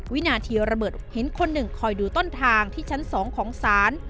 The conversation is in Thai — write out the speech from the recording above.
วินาทีระเบิดเห็นคนหนึ่งคอยดูต้นทางที่ชั้น๒ของศาล